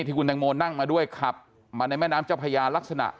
ที่คุณแตงโมนั่งมาด้วยขับมาในแม่น้ำเจ้าพญาลักษณะ